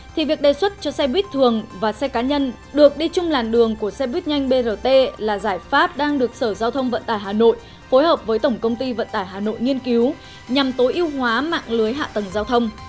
thì việc đề xuất cho xe buýt thường và xe cá nhân được đi chung làn đường của xe buýt nhanh brt là giải pháp đang được sở giao thông vận tải hà nội phối hợp với tổng công ty vận tải hà nội nghiên cứu nhằm tối ưu hóa mạng lưới hạ tầng giao thông